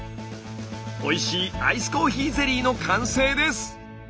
おいしいアイスコーヒーゼリーの完成です！